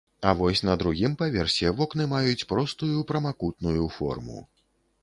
А вось на другім паверсе вокны маюць простую прамакутную форму.